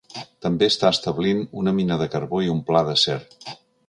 També està establint una mina de carbó i un pla d'acer.